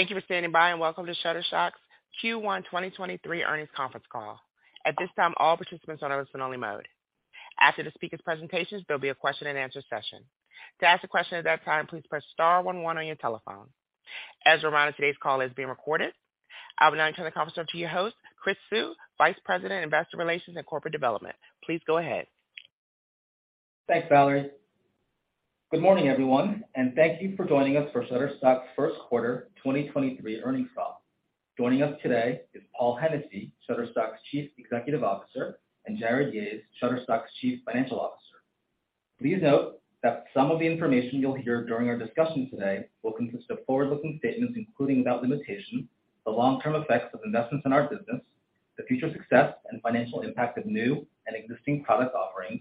Thank you for standing by. Welcome to Shutterstock Q1 2023 Earnings Conference Call. At this time, all participants are on a listen-only mode. After the speakers' presentations, there'll be a question-and-answer session. To ask a question at that time, please press star one one on your telephone. As a reminder, today's call is being recorded. I will now turn the conference over to your host, Chris Suh, Vice President, Investor Relations and Corporate Development. Please go ahead. Thanks, Valerie. Good morning, everyone, and thank you for joining us for Shutterstock's first quarter, 2023 earnings call. Joining us today is Paul Hennessy, Shutterstock's Chief Executive Officer, and Jarrod Yahes, Shutterstock's Chief Financial Officer. Please note that some of the information you'll hear during our discussion today will consist of forward-looking statements, including, without limitation, the long-term effects of investments in our business, the future success and financial impact of new and existing product offerings,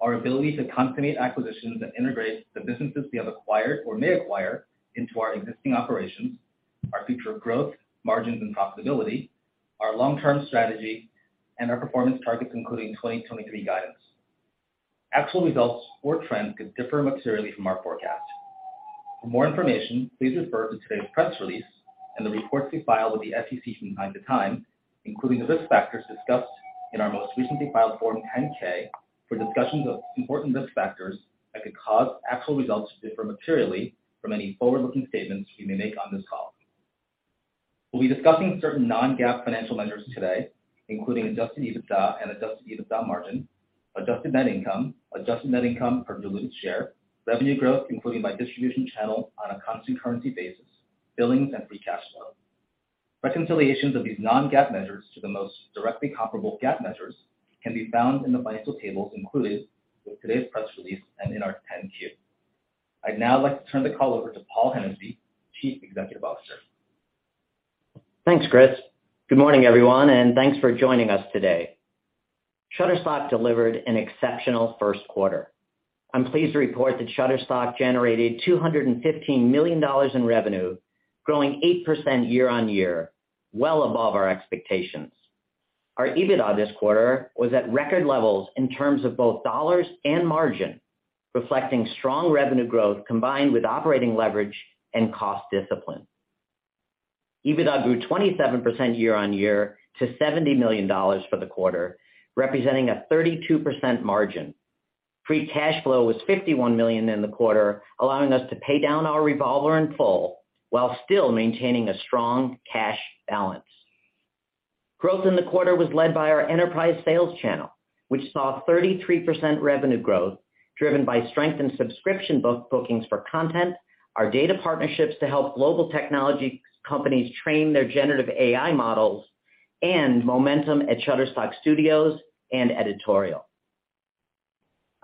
our ability to consummate acquisitions and integrate the businesses we have acquired or may acquire into our existing operations, our future growth, margins and profitability, our long-term strategy, and our performance targets, including 2023 guidance. Actual results or trends could differ materially from our forecast. For more information, please refer to today's press release and the reports we file with the SEC from time to time, including the risk factors discussed in our most recently filed Form 10-K for discussions of important risk factors that could cause actual results to differ materially from any forward-looking statements we may make on this call. We'll be discussing certain non-GAAP financial measures today, including adjusted EBITDA and adjusted EBITDA margin, adjusted net income, adjusted net income per diluted share, revenue growth, including by distribution channel on a constant currency basis, billings and free cash flow. Reconciliations of these non-GAAP measures to the most directly comparable GAAP measures can be found in the financial tables included with today's press release and in our 10-Q. I'd now like to turn the call over to Paul Hennessy, Chief Executive Officer. Thanks, Chris. Good morning, everyone. Thanks for joining us today. Shutterstock delivered an exceptional first quarter. I'm pleased to report that Shutterstock generated $215 million in revenue, growing 8% year-over-year, well above our expectations. Our EBITDA this quarter was at record levels in terms of both dollars and margin, reflecting strong revenue growth combined with operating leverage and cost discipline. EBITDA grew 27% year-over-year to $70 million for the quarter, representing a 32% margin. Free cash flow was $51 million in the quarter, allowing us to pay down our revolver in full while still maintaining a strong cash balance. Growth in the quarter was led by our enterprise sales channel, which saw 33% revenue growth, driven by strength in subscription book-bookings for content, our data partnerships to help global technology companies train their generative AI models, and momentum at Shutterstock Studios and editorial.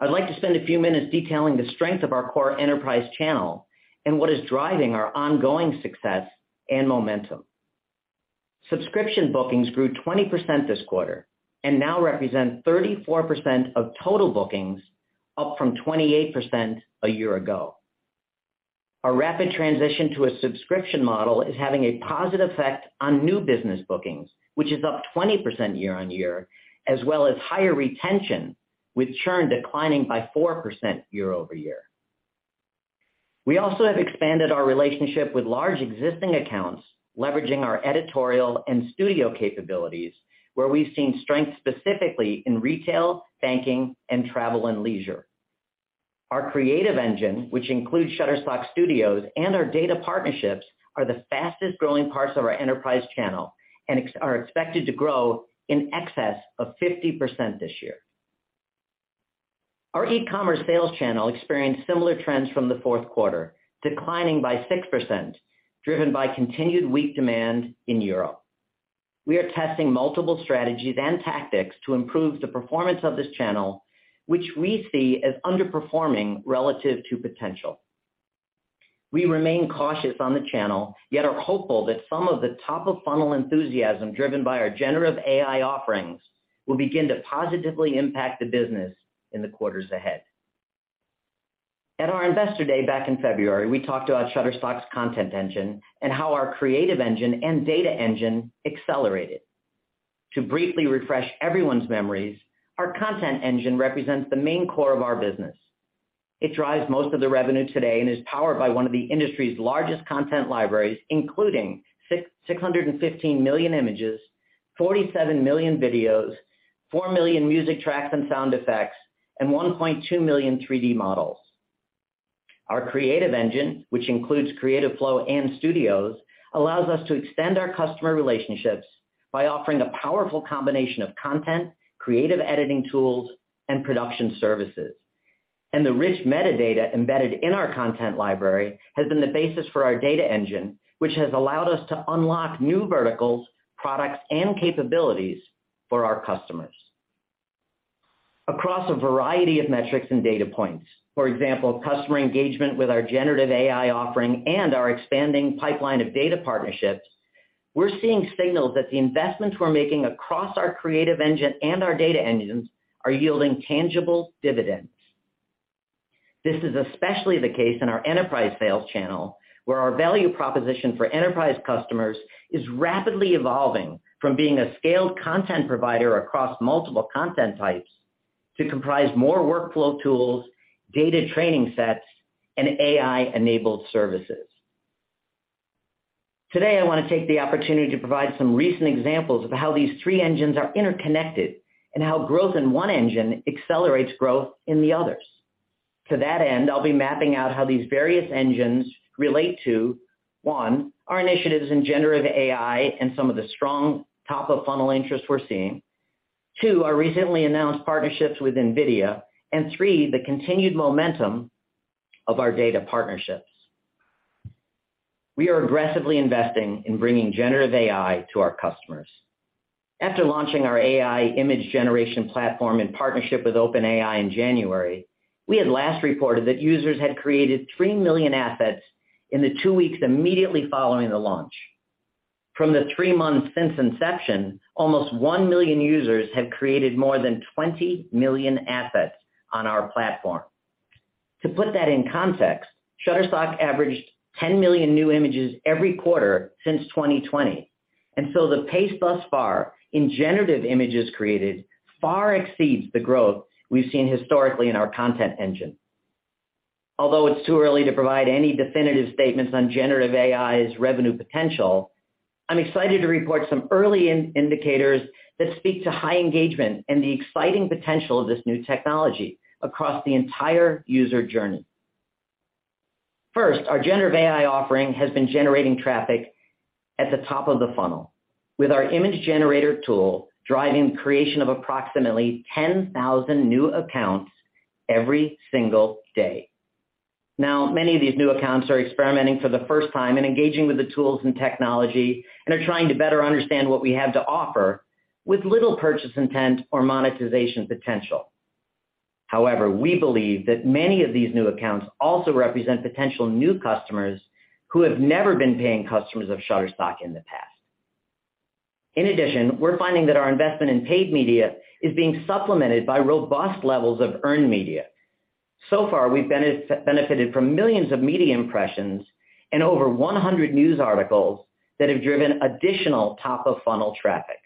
I'd like to spend a few minutes detailing the strength of our core enterprise channel and what is driving our ongoing success and momentum. Subscription bookings grew 20% this quarter and now represent 34% of total bookings, up from 28% a year ago. A rapid transition to a subscription model is having a positive effect on new business bookings, which is up 20% year-on-year, as well as higher retention, with churn declining by 4% year-over-year. We also have expanded our relationship with large existing accounts, leveraging our editorial and studio capabilities, where we've seen strength specifically in retail, banking, and travel and leisure. Our creative engine, which includes Shutterstock Studios and our data partnerships, are the fastest growing parts of our enterprise channel and are expected to grow in excess of 50% this year. Our e-commerce sales channel experienced similar trends from the fourth quarter, declining by 6%, driven by continued weak demand in Europe. We are testing multiple strategies and tactics to improve the performance of this channel, which we see as underperforming relative to potential. We remain cautious on the channel, yet are hopeful that some of the top of funnel enthusiasm driven by our generative AI offerings will begin to positively impact the business in the quarters ahead. At our Investor Day back in February, we talked about Shutterstock's content engine and how our creative engine and data engine accelerated. To briefly refresh everyone's memories, our content engine represents the main core of our business. It drives most of the revenue today and is powered by one of the industry's largest content libraries, including 615 million images, 47 million videos, 4 million music tracks and sound effects, and 1.2 million 3D models. Our creative engine, which includes Creative Flow and Studios, allows us to extend our customer relationships by offering a powerful combination of content, creative editing tools, and production services. The rich metadata embedded in our content library has been the basis for our data engine, which has allowed us to unlock new verticals, products, and capabilities for our customers. Across a variety of metrics and data points, for example, customer engagement with our generative AI offering and our expanding pipeline of data partnerships, we're seeing signals that the investments we're making across our creative engine and our data engines are yielding tangible dividends. This is especially the case in our enterprise sales channel, where our value proposition for enterprise customers is rapidly evolving from being a scaled content provider across multiple content types to comprise more workflow tools, data training sets, and AI-enabled services. Today, I want to take the opportunity to provide some recent examples of how these three engines are interconnected and how growth in one engine accelerates growth in the others. To that end, I'll be mapping out how these various engines relate to, one, our initiatives in generative AI and some of the strong top of funnel interest we're seeing. Two, our recently announced partnerships with NVIDIA, and three, the continued momentum of our data partnerships. We are aggressively investing in bringing generative AI to our customers. After launching our AI image generation platform in partnership with OpenAI in January, we had last reported that users had created 3 million assets in the two weeks immediately following the launch. From the three months since inception, almost 1 million users have created more than 20 million assets on our platform. To put that in context, Shutterstock averaged 10 million new images every quarter since 2020. The pace thus far in generative images created far exceeds the growth we've seen historically in our content engine. Although it's too early to provide any definitive statements on generative AI's revenue potential, I'm excited to report some early in-indicators that speak to high engagement and the exciting potential of this new technology across the entire user journey. First, our generative AI offering has been generating traffic at the top of the funnel with our image generator tool driving creation of approximately 10,000 new accounts every single day. Now, many of these new accounts are experimenting for the first time and engaging with the tools and technology, and are trying to better understand what we have to offer with little purchase intent or monetization potential. However, we believe that many of these new accounts also represent potential new customers who have never been paying customers of Shutterstock in the past. In addition, we're finding that our investment in paid media is being supplemented by robust levels of earned media. Far, we've benefited from millions of media impressions and over 100 news articles that have driven additional top of funnel traffic.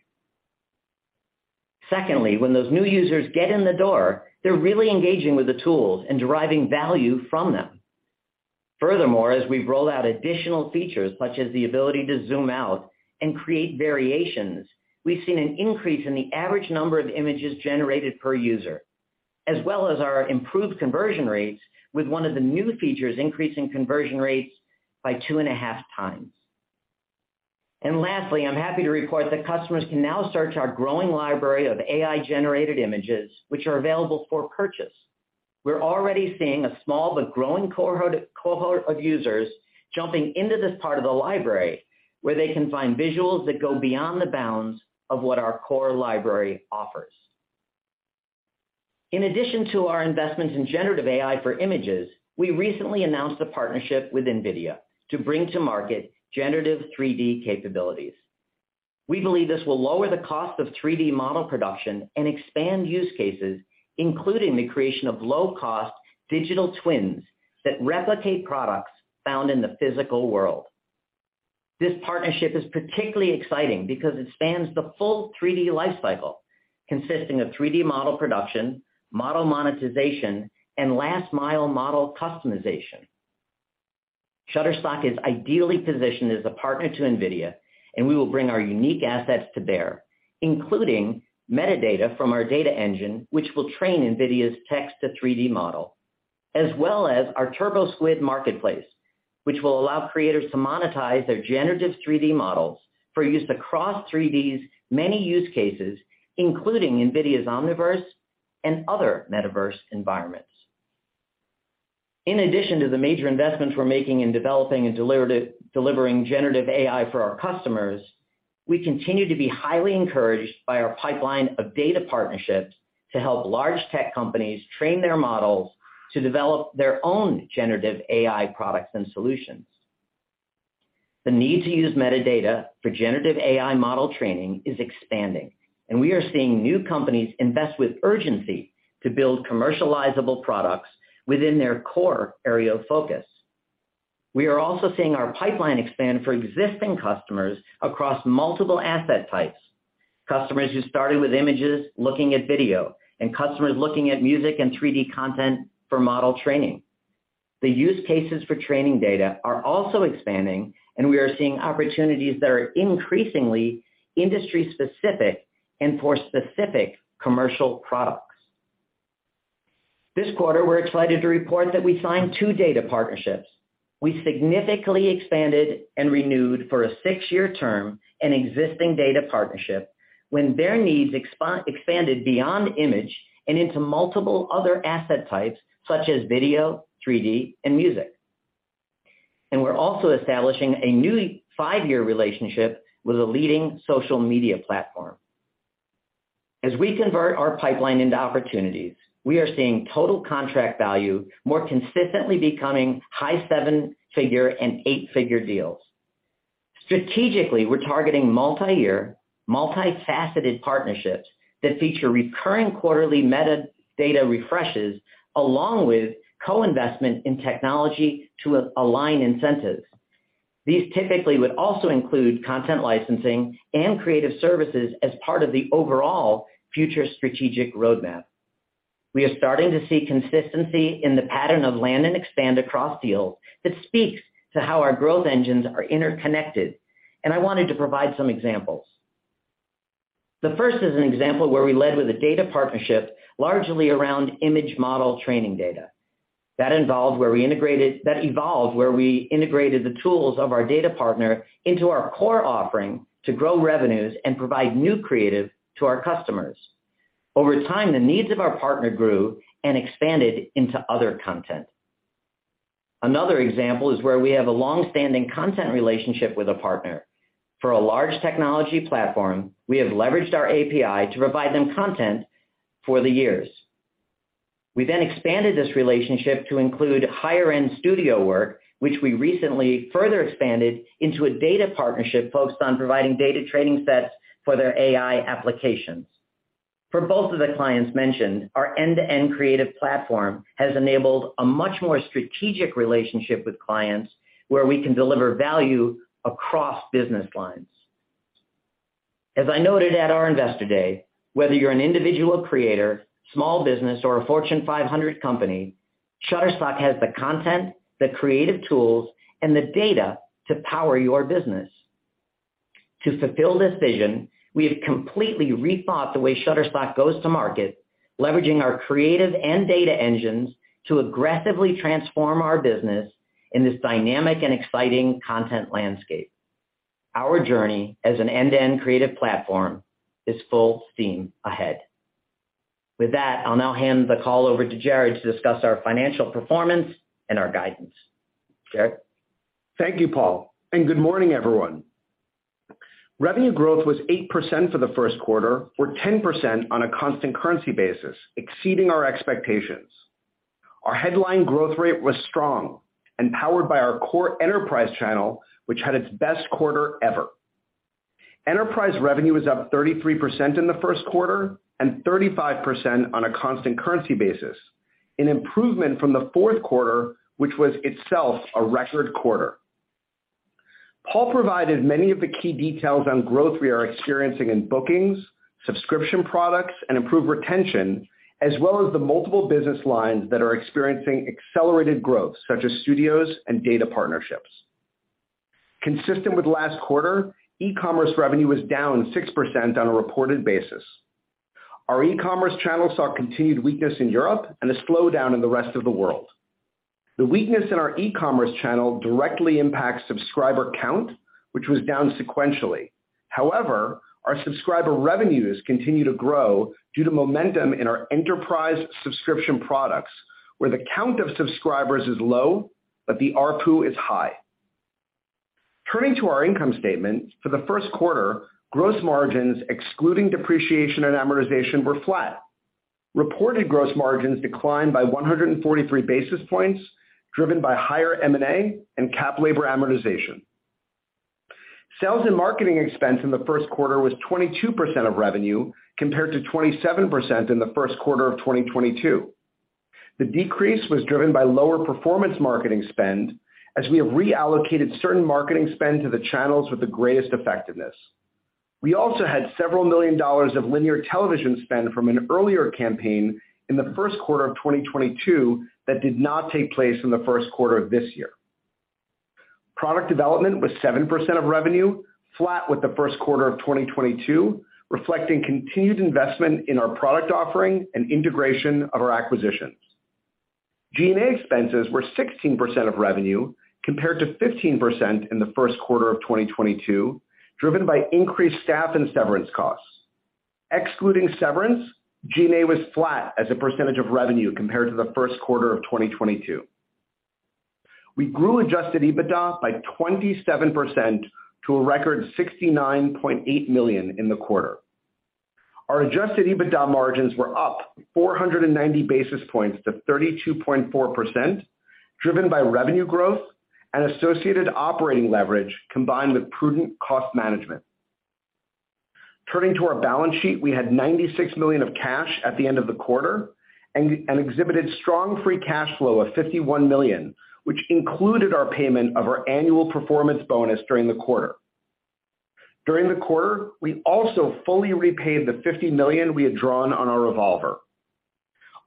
Secondly, when those new users get in the door, they're really engaging with the tools and deriving value from them. Furthermore, as we've rolled out additional features such as the ability to zoom out and create variations, we've seen an increase in the average number of images generated per user, as well as our improved conversion rates with one of the new features increasing conversion rates by 2.5x. Lastly, I'm happy to report that customers can now search our growing library of AI-generated images, which are available for purchase. We're already seeing a small but growing cohort of users jumping into this part of the library, where they can find visuals that go beyond the bounds of what our core library offers. In addition to our investments in generative AI for images, we recently announced a partnership with NVIDIA to bring to market generative three-D capabilities. We believe this will lower the cost of 3D model production and expand use cases, including the creation of low-cost digital twins that replicate products found in the physical world. This partnership is particularly exciting because it spans the full 3D life cycle, consisting of 3D model production, model monetization, and last mile model customization. Shutterstock is ideally positioned as a partner to NVIDIA, and we will bring our unique assets to bear, including metadata from our data engine, which will train NVIDIA's text to 3D model, as well as our TurboSquid marketplace, which will allow creators to monetize their generative 3D models for use across 3D's many use cases, including NVIDIA's Omniverse and other metaverse environments. In addition to the major investments we're making in developing and delivering generative AI for our customers, we continue to be highly encouraged by our pipeline of data partnerships to help large tech companies train their models to develop their own generative AI products and solutions. The need to use metadata for generative AI model training is expanding, and we are seeing new companies invest with urgency to build commercializable products within their core area of focus. We are also seeing our pipeline expand for existing customers across multiple asset types, customers who started with images looking at video and customers looking at music and 3D content for model training. The use cases for training data are also expanding, and we are seeing opportunities that are increasingly industry-specific and for specific commercial products. This quarter, we're excited to report that we signed two data partnerships. We significantly expanded and renewed for a six-year term an existing data partnership when their needs expanded beyond image and into multiple other asset types such as video, 3D, and music. We're also establishing a new five-year relationship with a leading social media platform. As we convert our pipeline into opportunities, we are seeing total contract value more consistently becoming high 7-figure and 8-figure deals. Strategically, we're targeting multi-year, multifaceted partnerships that feature recurring quarterly metadata refreshes, along with co-investment in technology to align incentives. These typically would also include content licensing and creative services as part of the overall future strategic roadmap. We are starting to see consistency in the pattern of land and expand across deals that speaks to how our growth engines are interconnected, and I wanted to provide some examples. The first is an example where we led with a data partnership largely around image model training data. That evolved where we integrated the tools of our data partner into our core offering to grow revenues and provide new creative to our customers. Over time, the needs of our partner grew and expanded into other content. Another example is where we have a long-standing content relationship with a partner. For a large technology platform, we have leveraged our API to provide them content for the years. We expanded this relationship to include higher-end studio work, which we recently further expanded into a data partnership focused on providing data training sets for their AI applications. For both of the clients mentioned, our end-to-end creative platform has enabled a much more strategic relationship with clients where we can deliver value across business lines. As I noted at our Investor Day, whether you're an individual creator, small business, or a Fortune 500 company, Shutterstock has the content, the creative tools, and the data to power your business. To fulfill this vision, we have completely rethought the way Shutterstock goes to market, leveraging our creative and data engines to aggressively transform our business in this dynamic and exciting content landscape. Our journey as an end-to-end creative platform is full steam ahead. With that, I'll now hand the call over to Jarrod to discuss our financial performance and our guidance. Jarrod? Thank you, Paul. Good morning, everyone. Revenue growth was 8% for the first quarter or 10% on a constant currency basis, exceeding our expectations. Our headline growth rate was strong and powered by our core enterprise channel, which had its best quarter ever. Enterprise revenue was up 33% in the first quarter and 35% on a constant currency basis, an improvement from the fourth quarter, which was itself a record quarter. Paul provided many of the key details on growth we are experiencing in bookings, subscription products, and improved retention, as well as the multiple business lines that are experiencing accelerated growth, such as studios and data partnerships. Consistent with last quarter, e-commerce revenue was down 6% on a reported basis. Our e-commerce channel saw continued weakness in Europe and a slowdown in the rest of the world. The weakness in our e-commerce channel directly impacts subscriber count, which was down sequentially. Our subscriber revenues continue to grow due to momentum in our enterprise subscription products, where the count of subscribers is low, but the ARPU is high. Turning to our income statement, for the first quarter, gross margins excluding depreciation and amortization were flat. Reported gross margins declined by 143 basis points, driven by higher M&A and cap labor amortization. Sales and marketing expense in the first quarter was 22% of revenue compared to 27% in the first quarter of 2022. The decrease was driven by lower performance marketing spend as we have reallocated certain marketing spend to the channels with the greatest effectiveness. We also had $several million of linear television spend from an earlier campaign in the first quarter of 2022 that did not take place in the first quarter of this year. Product development was 7% of revenue, flat with the first quarter of 2022, reflecting continued investment in our product offering and integration of our acquisitions. G&A expenses were 16% of revenue compared to 15% in the first quarter of 2022, driven by increased staff and severance costs. Excluding severance, G&A was flat as a percentage of revenue compared to the first quarter of 2022. We grew adjusted EBITDA by 27% to a record $69.8 million in the quarter. Our adjusted EBITDA margins were up 490 basis points to 32.4%, driven by revenue growth and associated operating leverage combined with prudent cost management. Turning to our balance sheet, we had $96 million of cash at the end of the quarter and exhibited strong free cash flow of $51 million, which included our payment of our annual performance bonus during the quarter. During the quarter, we also fully repaid the $50 million we had drawn on our revolver.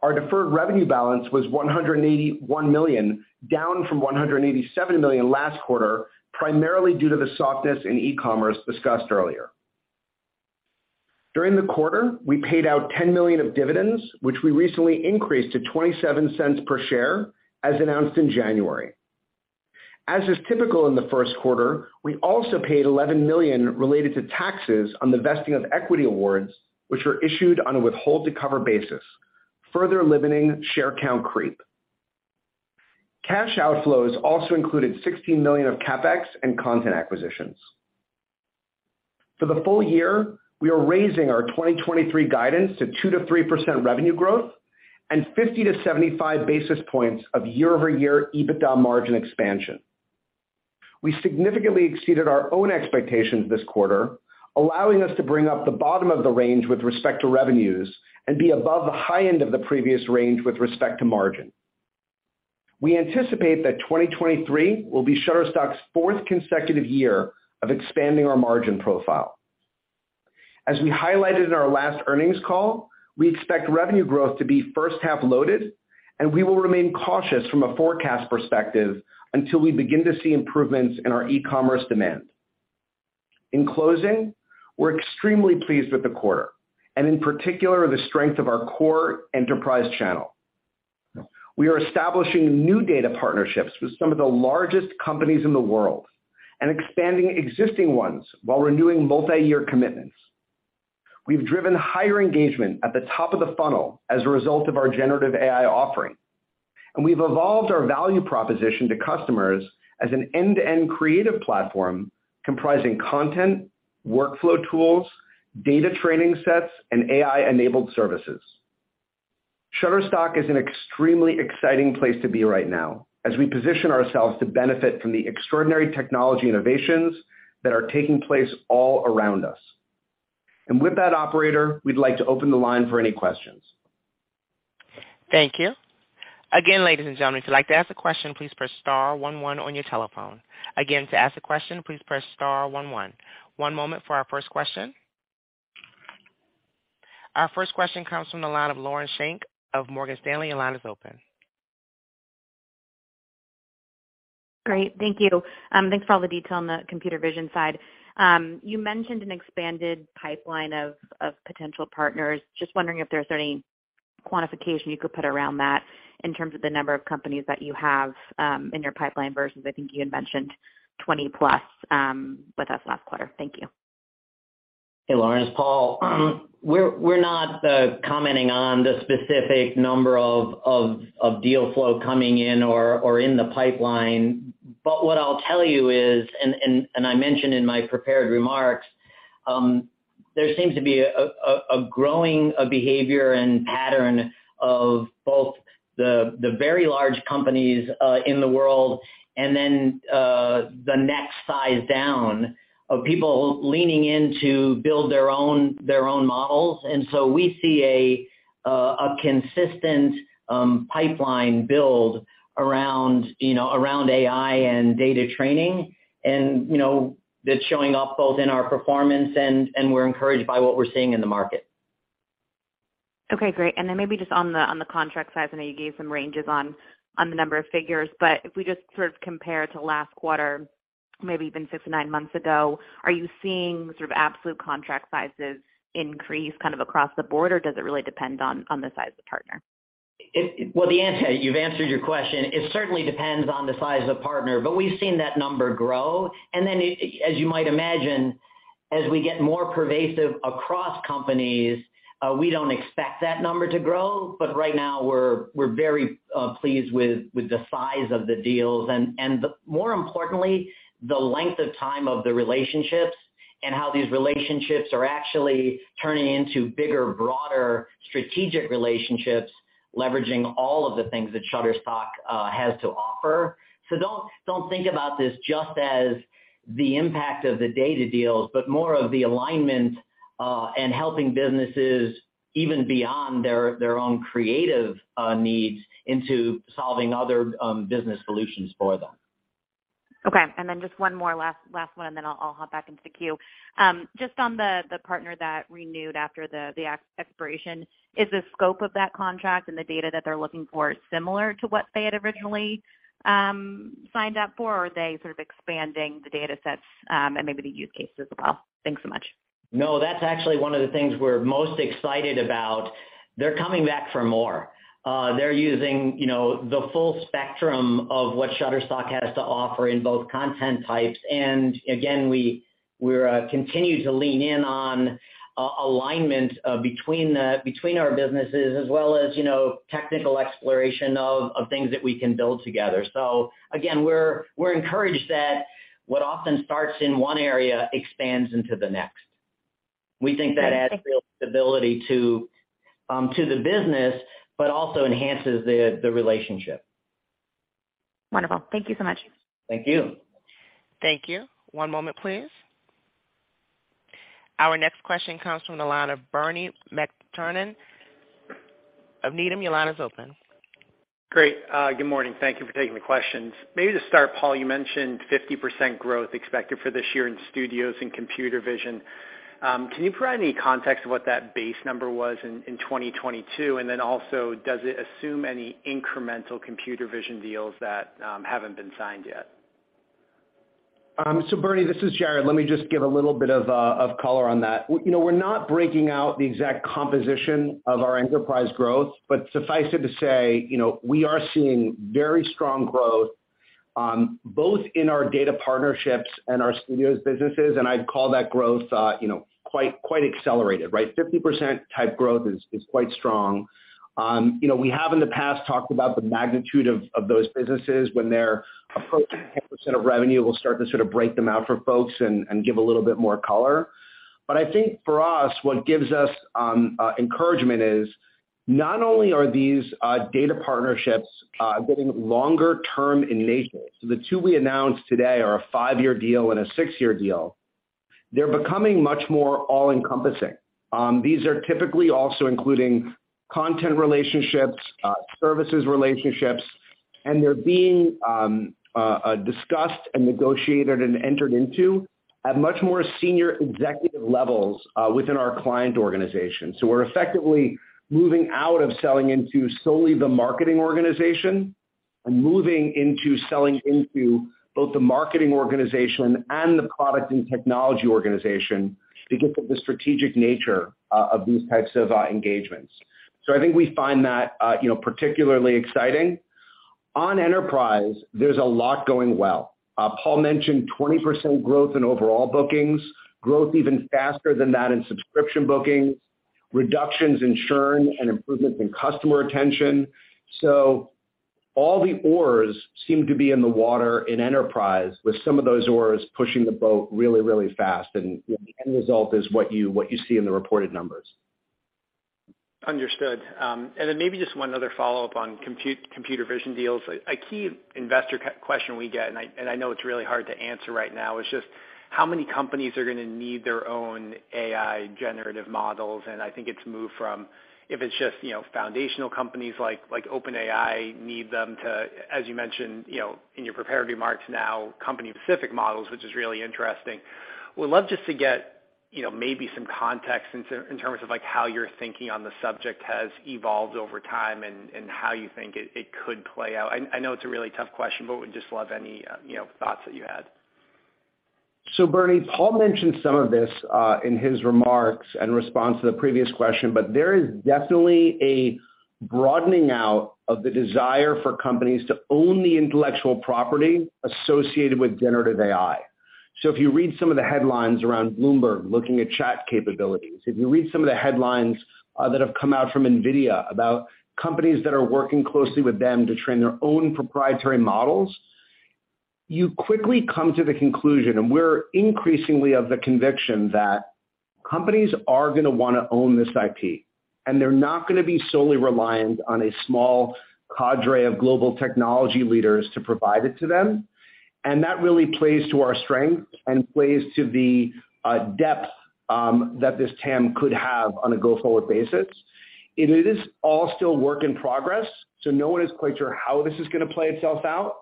Our deferred revenue balance was $181 million, down from $187 million last quarter, primarily due to the softness in e-commerce discussed earlier. During the quarter, we paid out $10 million of dividends, which we recently increased to $0.27 per share as announced in January. As is typical in the first quarter, we also paid $11 million related to taxes on the vesting of equity awards, which were issued on a withhold to cover basis, further limiting share count creep. Cash outflows also included $16 million of CapEx and content acquisitions. For the full year, we are raising our 2023 guidance to 2%-3% revenue growth and 50 to 75 basis points of year-over-year EBITDA margin expansion. We significantly exceeded our own expectations this quarter. Allowing us to bring up the bottom of the range with respect to revenues and be above the high end of the previous range with respect to margin. We anticipate that 2023 will be Shutterstock's fourth consecutive year of expanding our margin profile. As we highlighted in our last earnings call, we expect revenue growth to be first half loaded, and we will remain cautious from a forecast perspective until we begin to see improvements in our e-commerce demand. In closing, we're extremely pleased with the quarter and in particular, the strength of our core enterprise channel. We are establishing new data partnerships with some of the largest companies in the world and expanding existing ones while renewing multi-year commitments. We've driven higher engagement at the top of the funnel as a result of our generative AI offering, and we've evolved our value proposition to customers as an end-to-end creative platform comprising content, workflow tools, data training sets, and AI enabled services. Shutterstock is an extremely exciting place to be right now as we position ourselves to benefit from the extraordinary technology innovations that are taking place all around us. With that operator, we'd like to open the line for any questions. Thank you. Again, ladies and gentlemen, if you'd like to ask a question, please press star one one on your telephone. Again, to ask a question, please press star one one. One moment for our first question. Our first question comes from the line of Lauren Schenk of Morgan Stanley. Your line is open. Great. Thank you. Thanks for all the detail on the computer vision side. You mentioned an expanded pipeline of potential partners. Just wondering if there's any quantification you could put around that in terms of the number of companies that you have in your pipeline versus I think you had mentioned 20+ with us last quarter. Thank you. Hey, Lauren, it's Paul. We're not commenting on the specific number of deal flow coming in or in the pipeline. What I'll tell you is, and I mentioned in my prepared remarks, there seems to be a growing behavior and pattern of both the very large companies in the world and then the next size down of people leaning in to build their own models. We see a consistent pipeline build around, you know, around AI and data training. You know, that's showing up both in our performance and we're encouraged by what we're seeing in the market. Okay, great. Maybe just on the contract size, I know you gave some ranges on the number of figures. If we just sort of compare to last quarter, maybe even six to nine months ago, are you seeing sort of absolute contract sizes increase kind of across the board? Does it really depend on the size of the partner? You've answered your question. It certainly depends on the size of the partner, but we've seen that number grow. As you might imagine, as we get more pervasive across companies, we don't expect that number to grow. Right now, we're very pleased with the size of the deals and more importantly, the length of time of the relationships and how these relationships are actually turning into bigger, broader strategic relationships, leveraging all of the things that Shutterstock has to offer. Don't think about this just as the impact of the data deals, but more of the alignment, and helping businesses even beyond their own creative needs into solving other business solutions for them. Okay. Just one more last one, and then I'll hop back into the queue. Just on the partner that renewed after the ex-expiration, is the scope of that contract and the data that they're looking for similar to what they had originally signed up for? Are they sort of expanding the datasets, and maybe the use cases as well? Thanks so much. No, that's actually one of the things we're most excited about. They're coming back for more. They're using, you know, the full spectrum of what Shutterstock has to offer in both content types. Again, we're continue to lean in on alignment between our businesses as well as, you know, technical exploration of things that we can build together. Again, we're encouraged that what often starts in one area expands into the next. Great. Thank you. We think that adds real stability to the business, but also enhances the relationship. Wonderful. Thank you so much. Thank you. Thank you. One moment, please. Our next question comes from the line of Bernie McTernan of Needham. Your line is open. Great. Good morning. Thank you for taking the questions. Maybe to start, Paul, you mentioned 50% growth expected for this year in Studios and Computer Vision. Can you provide any context of what that base number was in 2022? Does it assume any incremental computer vision deals that haven't been signed yet? Bernie, this is Jarrod. Let me just give a little bit of color on that. You know, we're not breaking out the exact composition of our enterprise growth, but suffice it to say, you know, we are seeing very strong growth, both in our data partnerships and our Studios businesses, and I'd call that growth, you know, quite accelerated, right? 50% type growth is quite strong. You know, we have in the past talked about the magnitude of those businesses when they're approaching 10% of revenue, we'll start to sort of break them out for folks and give a little bit more color. I think for us, what gives us encouragement is not only are these data partnerships getting longer term in nature, so the two we announced today are a five-year deal and a six-year deal. They're becoming much more all-encompassing. These are typically also including content relationships, services relationships, and they're being discussed and negotiated and entered into at much more senior executive levels within our client organization. We're effectively moving out of selling into solely the marketing organization and moving into selling into both the marketing organization and the product and technology organization because of the strategic nature of these types of engagements. I think we find that, you know, particularly exciting. On enterprise, there's a lot going well. Paul mentioned 20% growth in overall bookings, growth even faster than that in subscription bookings, reductions in churn and improvements in customer retention. All the oars seem to be in the water in enterprise, with some of those oars pushing the boat really, really fast, and, you know, the end result is what you, what you see in the reported numbers. Understood. Maybe just one other follow-up on computer vision deals. A key investor question we get, and I know it's really hard to answer right now, is just how many companies are gonna need their own AI generative models, and I think it's moved from if it's just, you know, foundational companies like OpenAI need them to, as you mentioned, you know, in your prepared remarks now, company-specific models, which is really interesting. Would love just to get, you know, maybe some context in terms of, like, how your thinking on the subject has evolved over time and how you think it could play out. I know it's a really tough question, but would just love any, you know, thoughts that you had. Bernie, Paul mentioned some of this in his remarks in response to the previous question, but there is definitely a broadening out of the desire for companies to own the intellectual property associated with generative AI. If you read some of the headlines around Bloomberg looking at chat capabilities, if you read some of the headlines that have come out from NVIDIA about companies that are working closely with them to train their own proprietary models, you quickly come to the conclusion, and we're increasingly of the conviction that companies are gonna wanna own this IT, and they're not gonna be solely reliant on a small cadre of global technology leaders to provide it to them. That really plays to our strength and plays to the depth that this TAM could have on a go-forward basis. It is all still work in progress, so no one is quite sure how this is gonna play itself out.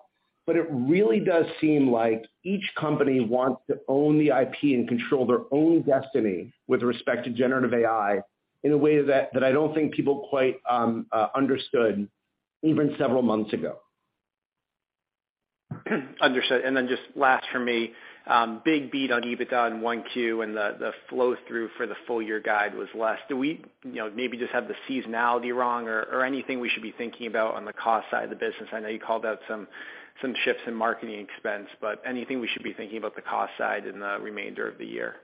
It really does seem like each company wants to own the IP and control their own destiny with respect to generative AI in a way that I don't think people quite understood even several months ago. Understood. Just last for me, big beat on EBITDA in 1Q and the flow-through for the full year guide was less. Do we, you know, maybe just have the seasonality wrong or anything we should be thinking about on the cost side of the business? I know you called out some shifts in marketing expense, but anything we should be thinking about the cost side in the remainder of the year?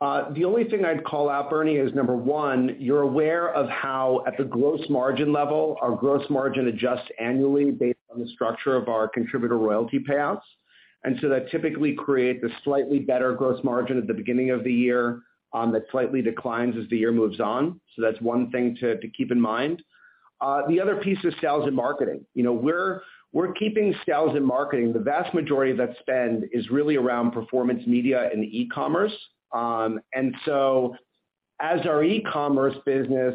The only thing I'd call out, Bernie, is number one, you're aware of how at the gross margin level, our gross margin adjusts annually based on the structure of our contributor royalty payouts. That typically create the slightly better gross margin at the beginning of the year, that slightly declines as the year moves on. That's one thing to keep in mind. The other piece is sales and marketing. You know, we're keeping sales and marketing. The vast majority of that spend is really around performance media and e-commerce. As our e-commerce business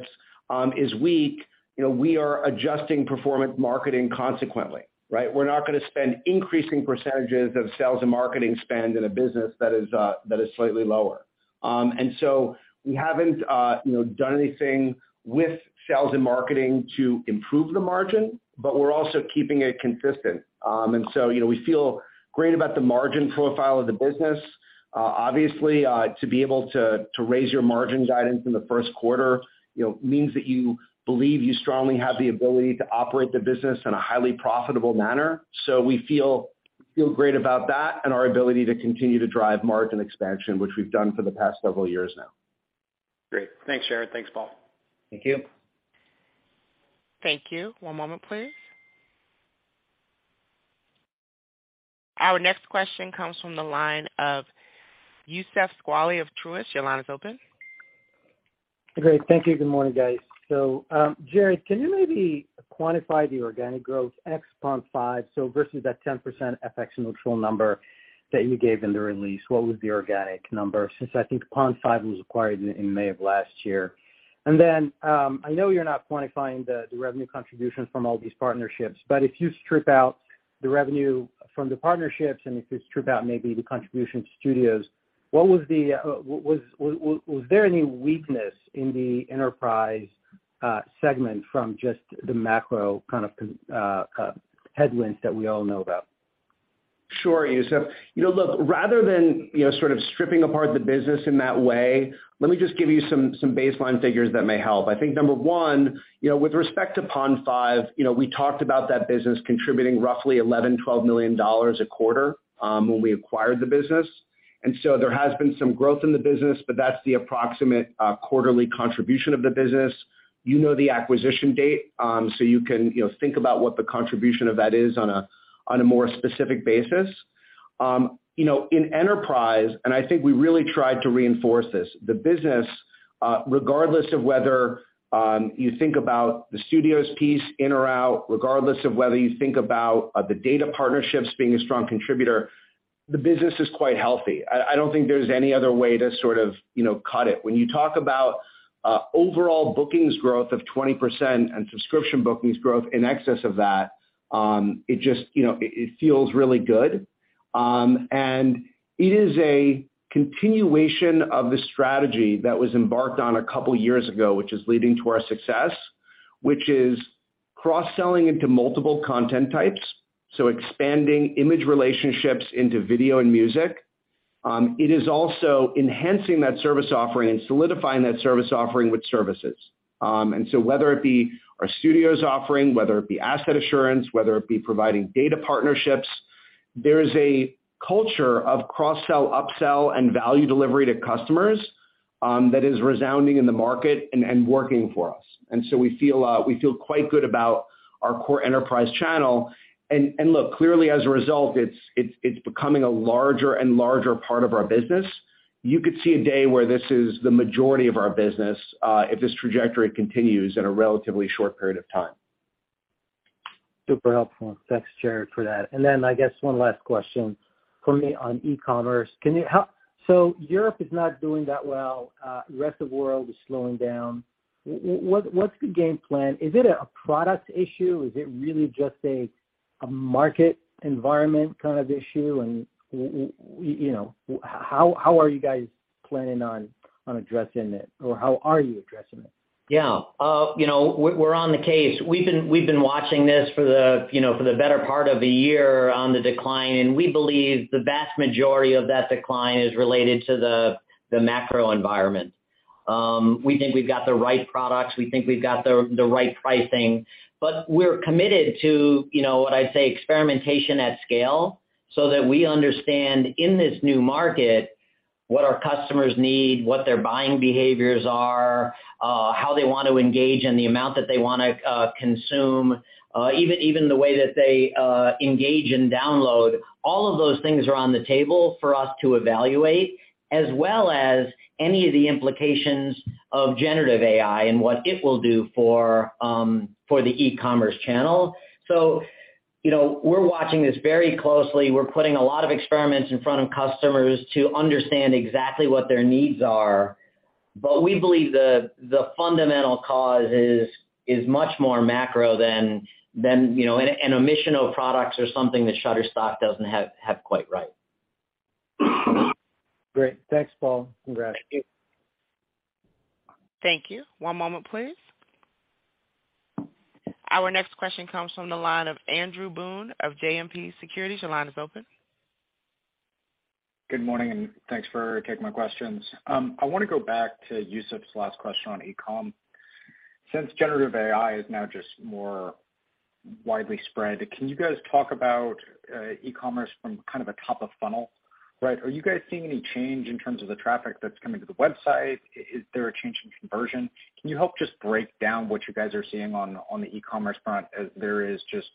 is weak, you know, we are adjusting performance marketing consequently, right? We're not gonna spend increasing % of sales and marketing spend in a business that is slightly lower. We haven't, you know, done anything with sales and marketing to improve the margin, but we're also keeping it consistent. We feel great about the margin profile of the business. Obviously, to be able to raise your margin guidance in the first quarter, you know, means that you believe you strongly have the ability to operate the business in a highly profitable manner. We feel great about that and our ability to continue to drive margin expansion, which we've done for the past several years now. Great. Thanks, Jarrod. Thanks, Paul. Thank you. Thank you. One moment, please. Our next question comes from the line of Youssef Squali of Truist. Your line is open. Great. Thank you. Good morning, guys. Jarrod, can you maybe quantify the organic growth ex-Pond5, so versus that 10% FX neutral number that you gave in the release, what was the organic number since I think Pond5 was acquired in May of last year? I know you're not quantifying the revenue contribution from all these partnerships, but if you strip out the revenue from the partnerships and if you strip out maybe the contribution to studios, what was there any weakness in the enterprise segment from just the macro kind of headwinds that we all know about? Sure, Youssef. You know, look, rather than, you know, sort of stripping apart the business in that way, let me just give you some baseline figures that may help. I think number one, you know, with respect to Pond5, you know, we talked about that business contributing roughly $11 million-$12 million a quarter, when we acquired the business. There has been some growth in the business, but that's the approximate, quarterly contribution of the business. You know the acquisition date, so you can, you know, think about what the contribution of that is on a, on a more specific basis. You know, in enterprise, and I think we really tried to reinforce this, the business, regardless of whether you think about the studios piece in or out, regardless of whether you think about the data partnerships being a strong contributor, the business is quite healthy. I don't think there's any other way to sort of, you know, cut it. When you talk about overall bookings growth of 20% and subscription bookings growth in excess of that, it just, you know, it feels really good. It is a continuation of the strategy that was embarked on a couple years ago, which is leading to our success, which is cross-selling into multiple content types, so expanding image relationships into video and music. It is also enhancing that service offering and solidifying that service offering with services. Whether it be our studios offering, whether it be Asset Assurance, whether it be providing data partnerships, there is a culture of cross-sell, upsell, and value delivery to customers that is resounding in the market and working for us. We feel quite good about our core enterprise channel. Look, clearly as a result it's becoming a larger and larger part of our business. You could see a day where this is the majority of our business if this trajectory continues in a relatively short period of time. Super helpful. Thanks, Jarrod, for that. I guess one last question for me on e-commerce. Europe is not doing that well. The rest of world is slowing down. What's the game plan? Is it a product issue? Is it really just a market environment kind of issue? You know, how are you guys planning on addressing it or how are you addressing it? Yeah. you know, we're on the case. We've been watching this for the, you know, for the better part of a year on the decline. We believe the vast majority of that decline is related to the macro environment. We think we've got the right products. We think we've got the right pricing, but we're committed to, you know, what I say experimentation at scale so that we understand in this new market what our customers need, what their buying behaviors are, how they want to engage and the amount that they wanna consume, even the way that they engage and download. All of those things are on the table for us to evaluate, as well as any of the implications of generative AI and what it will do for the e-commerce channel. You know, we're watching this very closely. We're putting a lot of experiments in front of customers to understand exactly what their needs are. We believe the fundamental cause is much more macro than, you know, an omission of products or something that Shutterstock doesn't have quite right. Great. Thanks, Paul. Congrats. Thank you. Thank you. One moment, please. Our next question comes from the line of Andrew Boone of JMP Securities. Your line is open. Good morning, thanks for taking my questions. I wanna go back to Youssef's last question on e-comm. Since generative AI is now just more widely spread, can you guys talk about, e-commerce from kind of a top of funnel, right? Are you guys seeing any change in terms of the traffic that's coming to the website? Is there a change in conversion? Can you help just break down what you guys are seeing on the e-commerce front as there is just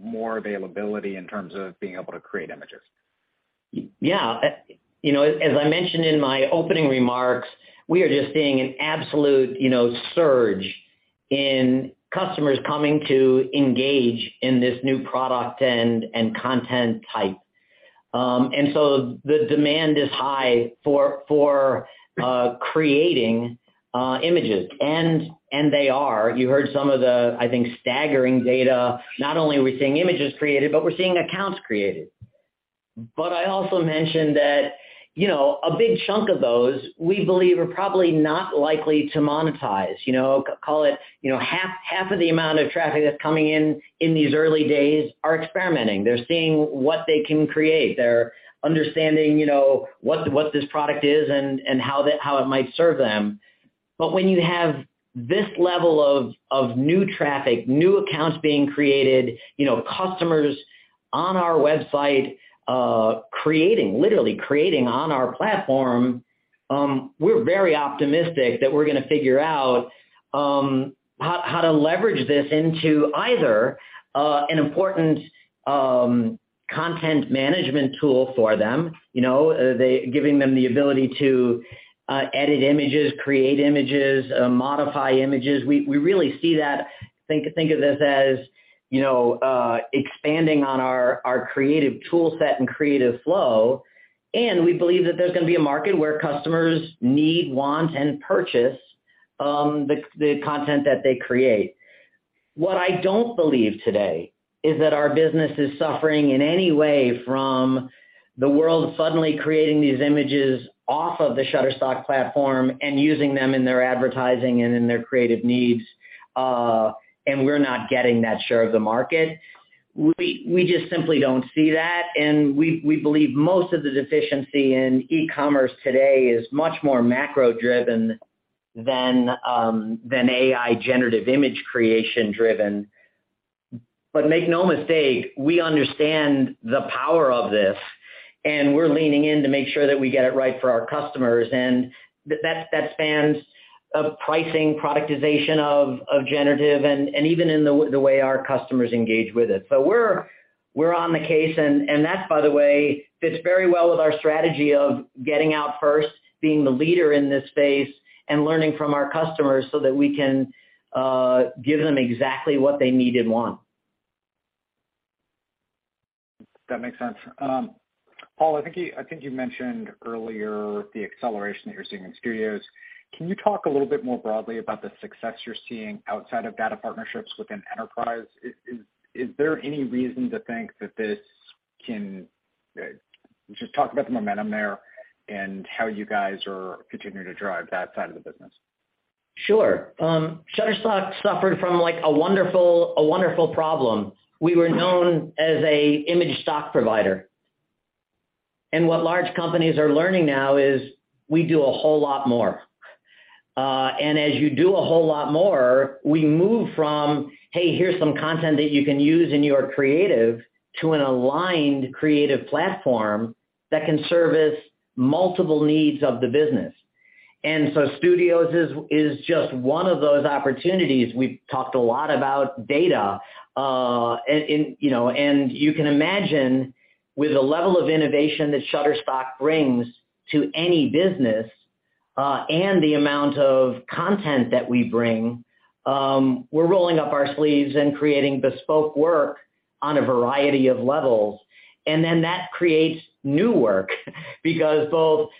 more availability in terms of being able to create images? Yeah. You know, as I mentioned in my opening remarks, we are just seeing an absolute, you know, surge in customers coming to engage in this new product and content type. The demand is high for creating images, and they are. You heard some of the, I think, staggering data. Not only are we seeing images created, but we're seeing accounts created. I also mentioned that, you know, a big chunk of those we believe are probably not likely to monetize. You know, call it, you know, half of the amount of traffic that's coming in in these early days are experimenting. They're seeing what they can create. They're understanding, you know, what this product is and how it might serve them. When you have this level of new traffic, new accounts being created, you know, customers on our website, creating, literally creating on our platform, we're very optimistic that we're gonna figure out how to leverage this into either an important content management tool for them, you know, giving them the ability to edit images, create images, modify images. We really see that. Think of this as, you know, expanding on our creative tool set and Creative Flow, and we believe that there's gonna be a market where customers need, want, and purchase the content that they create. What I don't believe today is that our business is suffering in any way from the world suddenly creating these images off of the Shutterstock platform and using them in their advertising and in their creative needs, and we're not getting that share of the market. We just simply don't see that, and we believe most of the deficiency in e-commerce today is much more macro-driven than AI generative image creation driven. Make no mistake, we understand the power of this, and we're leaning in to make sure that we get it right for our customers. That spans, pricing, productization of generative and even in the way our customers engage with it. We're on the case, and that, by the way, fits very well with our strategy of getting out first, being the leader in this space, and learning from our customers so that we can give them exactly what they need and want. That makes sense. Paul, I think you mentioned earlier the acceleration that you're seeing in Shutterstock Studios. Can you talk a little bit more broadly about the success you're seeing outside of data partnerships within enterprise? Just talk about the momentum there and how you guys are continuing to drive that side of the business. Sure. Shutterstock suffered from, like, a wonderful, a wonderful problem. We were known as an image stock provider. What large companies are learning now is we do a whole lot more. As you do a whole lot more, we move from, "Hey, here's some content that you can use in your creative," to an aligned creative platform that can service multiple needs of the business. Studios is just one of those opportunities. We've talked a lot about data. And, you know, you can imagine with the level of innovation that Shutterstock brings to any business, and the amount of content that we bring, we're rolling up our sleeves and creating bespoke work on a variety of levels. That creates new work because both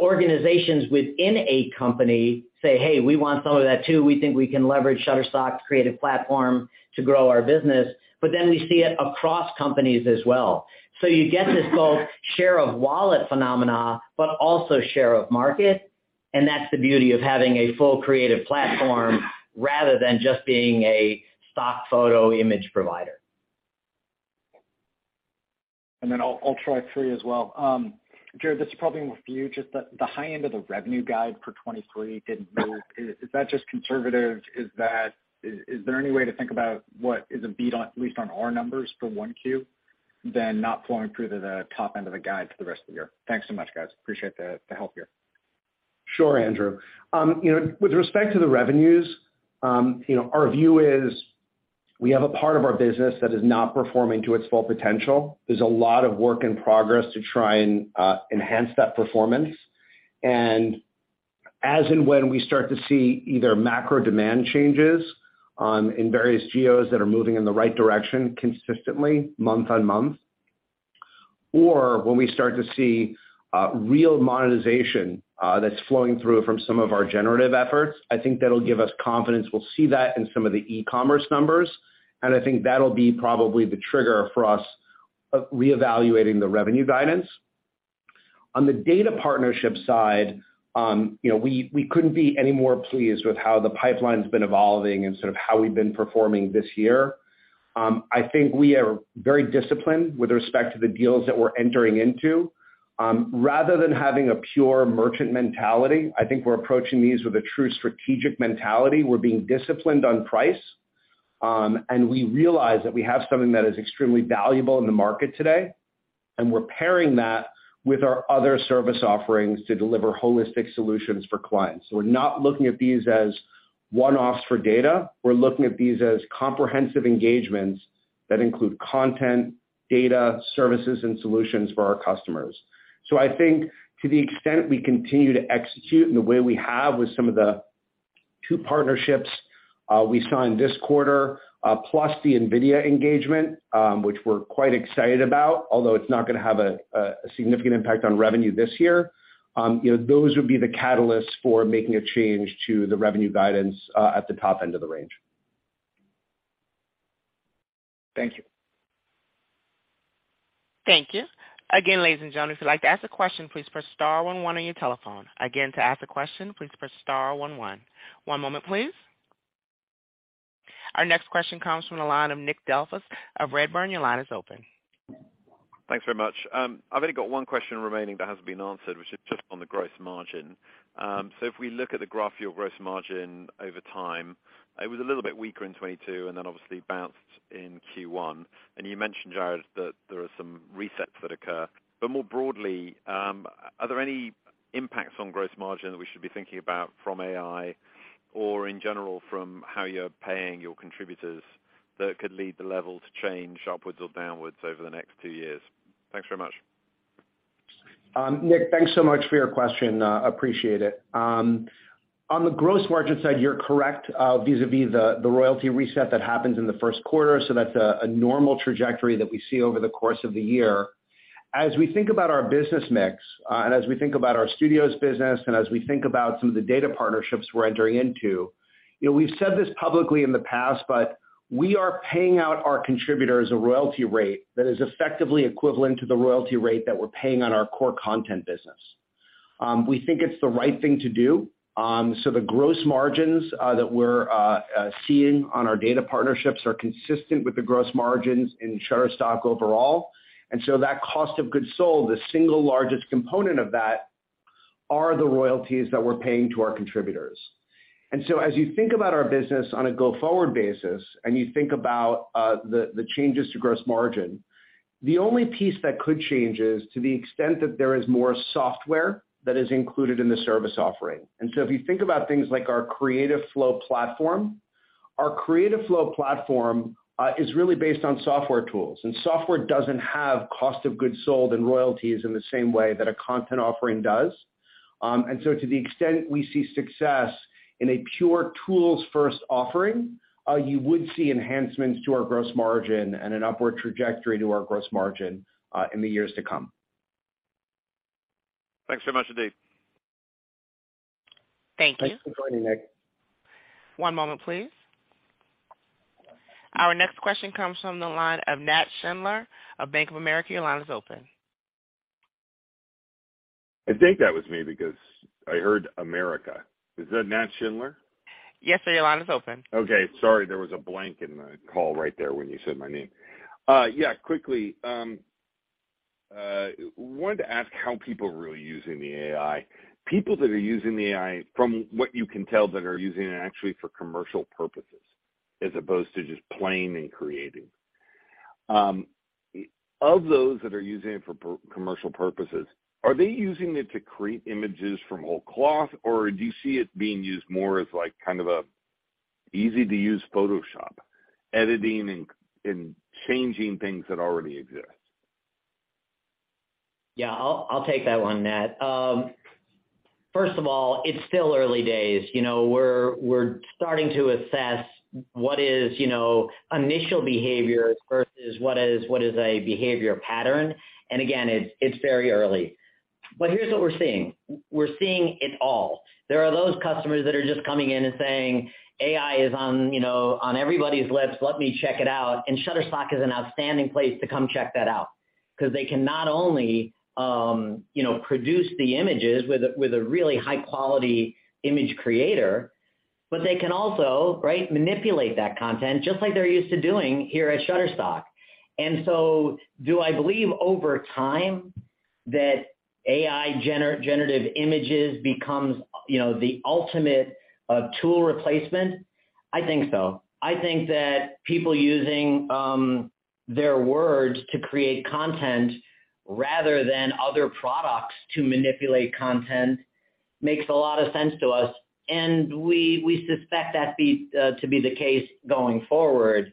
organizations within a company say, "Hey, we want some of that too". We think we can leverage Shutterstock's creative platform to grow our business. We see it across companies as well. You get this both share of wallet phenomena, but also share of market, and that's the beauty of having a full creative platform rather than just being a stock photo image provider. I'll try three as well. Jarrod, this is probably more for you. Just the high end of the revenue guide for 2023 didn't move. Is that just conservative? Is that? Is there any way to think about what is a beat on, at least on our numbers for 1Q, then not flowing through to the top end of the guide for the rest of the year? Thanks so much, guys. Appreciate the help here. Sure, Andrew. You know, with respect to the revenues, you know, our view is we have a part of our business that is not performing to its full potential. There's a lot of work in progress to try and enhance that performance. As and when we start to see either macro demand changes, in various geos that are moving in the right direction consistently month-on-month, or when we start to see real monetization, that's flowing through from some of our generative efforts, I think that'll give us confidence. We'll see that in some of the e-commerce numbers, and I think that'll be probably the trigger for us, re-evaluating the revenue guidance. On the data partnership side, you know, we couldn't be any more pleased with how the pipeline's been evolving and sort of how we've been performing this year. I think we are very disciplined with respect to the deals that we're entering into. Rather than having a pure merchant mentality, I think we're approaching these with a true strategic mentality. We're being disciplined on price, and we realize that we have something that is extremely valuable in the market today, and we're pairing that with our other service offerings to deliver holistic solutions for clients. We're not looking at these as one-offs for data. We're looking at these as comprehensive engagements that include content, data, services, and solutions for our customers. I think to the extent we continue to execute in the way we have with some of the two partnerships we signed this quarter, plus the NVIDIA engagement, which we're quite excited about, although it's not gonna have a significant impact on revenue this year, you know, those would be the catalysts for making a change to the revenue guidance at the top end of the range. Thank you. Thank you. Again, ladies and gentlemen, if you'd like to ask a question, please press star one one on your telephone. Again, to ask a question, please press star one one. One moment please. Our next question comes from the line of Nick Delfas of Redburn. Your line is open. Thanks very much. I've only got one question remaining that hasn't been answered, which is just on the gross margin. If we look at the graph of your gross margin over time, it was a little bit weaker in 2022, then obviously bounced in Q1. You mentioned, Jared, that there are some resets that occur. More broadly, are there any impacts on gross margin that we should be thinking about from AI or in general from how you're paying your contributors that could lead the level to change upwards or downwards over the next two years? Thanks very much. Nick, thanks so much for your question. Appreciate it. On the gross margin side, you're correct, vis-à-vis the royalty reset that happens in the first quarter. That's a normal trajectory that we see over the course of the year. As we think about our business mix, and as we think about our Studios business and as we think about some of the data partnerships we're entering into, you know, we've said this publicly in the past, but we are paying out our contributors a royalty rate that is effectively equivalent to the royalty rate that we're paying on our core content business. We think it's the right thing to do. The gross margins that we're seeing on our data partnerships are consistent with the gross margins in Shutterstock overall. That cost of goods sold, the single largest component of that are the royalties that we're paying to our contributors. As you think about our business on a go-forward basis and you think about the changes to gross margin, the only piece that could change is to the extent that there is more software that is included in the service offering. If you think about things like our Creative Flow platform is really based on software tools, and software doesn't have cost of goods sold and royalties in the same way that a content offering does. To the extent we see success in a pure tools-first offering, you would see enhancements to our gross margin and an upward trajectory to our gross margin in the years to come. Thanks so much, Jarrod. Thank you. Thanks for joining, Nick. One moment, please. Our next question comes from the line of Nat Schindler of Bank of America. Your line is open. I think that was me because I heard America. Is that Nat Schindler? Yes, sir. Your line is open. Okay. Sorry, there was a blank in the call right there when you said my name. Yeah, quickly, wanted to ask how people are really using the AI. People that are using the AI, from what you can tell, that are using it actually for commercial purposes as opposed to just playing and creating. Of those that are using it for commercial purposes, are they using it to create images from whole cloth, or do you see it being used more as, like, kind of a easy-to-use Photoshop, editing and changing things that already exist? Yeah, I'll take that one, Nat. First of all, it's still early days. You know, we're starting to assess what is, you know, initial behaviors versus what is a behavior pattern. Again, it's very early. Here's what we're seeing. We're seeing it all. There are those customers that are just coming in and saying, "AI is on, you know, on everybody's lips. Let me check it out." Shutterstock is an outstanding place to come check that out 'cause they can not only, you know, produce the images with a really high-quality image creator, but they can also, right, manipulate that content just like they're used to doing here at Shutterstock. Do I believe over time that AI generative images becomes, you know, the ultimate tool replacement? I think so. I think that people using their words to create content rather than other products to manipulate content makes a lot of sense to us, and we suspect to be the case going forward.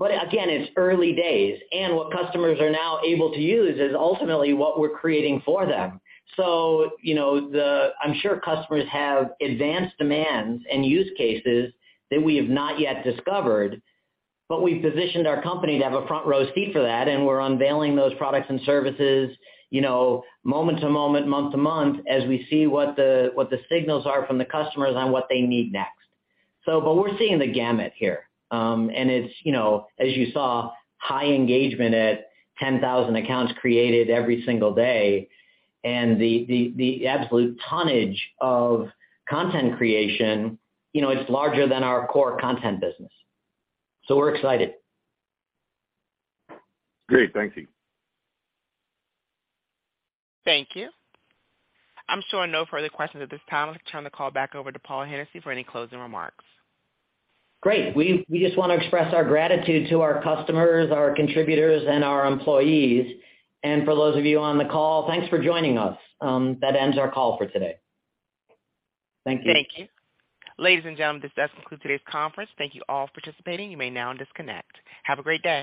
Again, it's early days, and what customers are now able to use is ultimately what we're creating for them. You know, I'm sure customers have advanced demands and use cases that we have not yet discovered, but we've positioned our company to have a front row seat for that, and we're unveiling those products and services, you know, moment to moment, month to month, as we see what the, what the signals are from the customers on what they need next. But we're seeing the gamut here. It's, you know, as you saw, high engagement at 10,000 accounts created every single day and the absolute tonnage of content creation, you know, it's larger than our core content business. We're excited. Great. Thank you. Thank you. I'm showing no further questions at this time. Let's turn the call back over to Paul Hennessy for any closing remarks. Great. We just wanna express our gratitude to our customers, our contributors, and our employees. For those of you on the call, thanks for joining us. That ends our call for today. Thank you. Thank you. Ladies and gentlemen, this does conclude today's conference. Thank you all for participating. You may now disconnect. Have a great day.